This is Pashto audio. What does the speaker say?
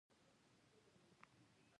آیا او د خپلو خلکو د سوکالۍ لپاره نه ده؟